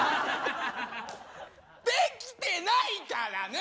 できてないからね！